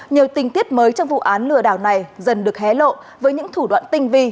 nhiều tình tiết mới trong vụ án lừa đảo này dần được hé lộ với những thủ đoạn tinh vi